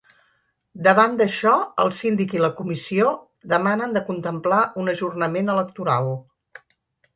Davant d’això, el síndic i la comissió demanen de contemplar un ajornament electoral.